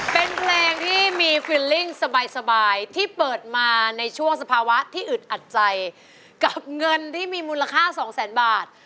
เป็นเพลงที่มีฟิลลิ่งสบายที่เปิดมาในช่วงสภาวะที่อึดอัดใจกับเงินที่มีมูลค่าสองแสนบาท